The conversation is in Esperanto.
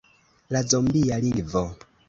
La zombia lingvo.